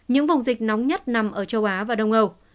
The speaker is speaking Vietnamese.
những vùng dịch nóng nhất nằm ở châu á và đông âu